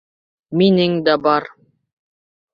— Минең дә бар.